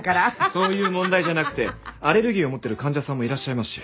そういう問題じゃなくてアレルギーを持ってる患者さんもいらっしゃいますし。